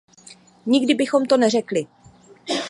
Nikdy bychom to neřekli.